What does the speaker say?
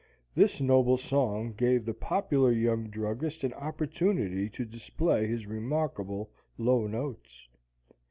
This noble song gave the popular young druggist an opportunity to display his remarkable low notes.